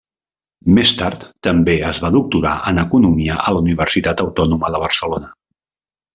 Més tard, també es va doctorar en economia a la Universitat Autònoma de Barcelona.